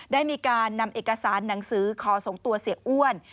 ได้มีการนำเอกสารหนังสือขอส่งตัวเสียอ้วน